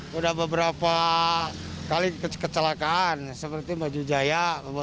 sudah beberapa kali kecelakaan seperti baju jaya